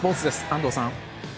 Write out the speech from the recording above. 安藤さん！